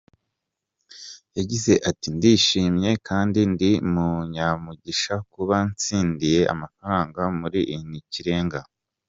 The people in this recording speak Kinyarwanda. Yagize ati "Ndishimye kandi ndi n’umunyamugisha kuba ntsindiye amafaranga muri Ni Ikirenga.